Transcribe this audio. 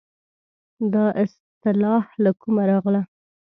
دا اصطلاح له کومه راغله.